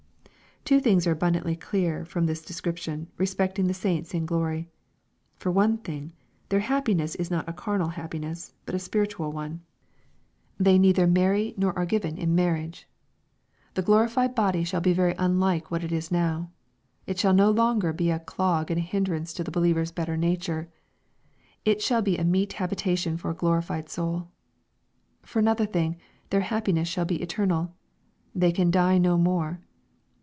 Two things are abundantly clear from this description, respecting the saints in glory. For one thing, their happi ness is not a carnal happiness, but a spiritual one. " Thej 340 EXPOSITORY THOUGHTS. deitbei many nor are given in marriage/' The glorified body shall be very unlike what it is now. It shall no loHger be a clog and a hindrance to the believer's better nature. It shall be a meet habitation for a glorified soul. For another thing, their happiness shall be eternal. " They can die no more."